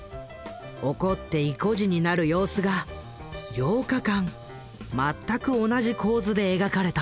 怒っていこじになる様子が８日間全く同じ構図で描かれた。